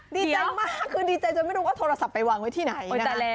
ดีใจมากคือดีใจจนไม่รู้ว่าโทรศัพท์ไปวางไว้ที่ไหน